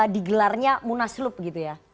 di gelarnya munaslup gitu ya